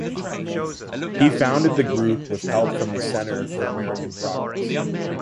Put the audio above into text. He founded the group with help from the Center for American Progress.